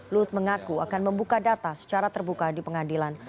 luhut mengaku akan membuka data secara terbuka di pengadilan